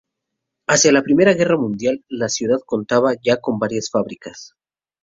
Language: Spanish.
Hacia la Primera Guerra Mundial la ciudad contaba ya con varias fábricas.